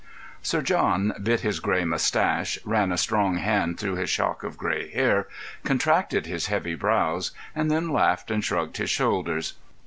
Sir John bit his grey moustache, ran a strong hand through his shock of grey hair, contracted his heavy brows, and then laughed and shrugged his shoulders.